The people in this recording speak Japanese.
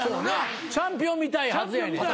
チャンピオン見たいはずやねん。